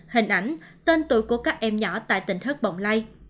hình ảnh tên tội của các em nhỏ tại tỉnh thất bọng lây